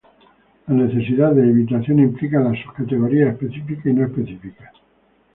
La necesidad de evitación implica las subcategorías específica y no específica.